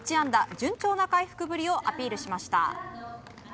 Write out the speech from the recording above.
順調な回復ぶりをアピールしました。